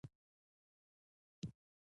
آیا زرنج له ایران سره پوله نلري؟